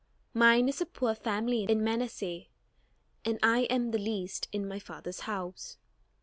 Mine is a poor family in Manasseh, and I am the least in my father's house."